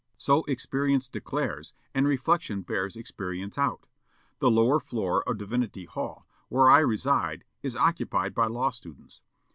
So experience declares, and reflection bears experience out.... The lower floor of Divinity Hall, where I reside, is occupied by law students.